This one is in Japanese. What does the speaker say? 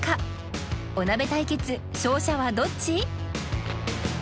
お鍋対決勝者はどっち？